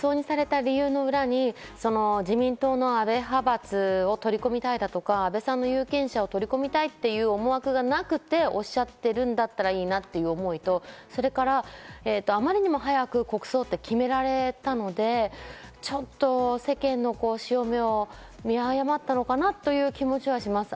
自民党の安倍派閥を取り込みたいとか、有権者を取り込みたいという思いがなくておっしゃっているんだったらいいなという思いと、あまりにも早く国葬って決められたので、ちょっと世間の潮目を見誤ったのかなという気持ちはします。